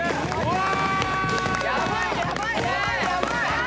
うわ！